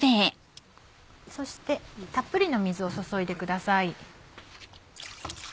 そしてたっぷりの水を注いでください。